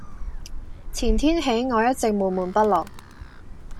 前天起我一直悶悶不樂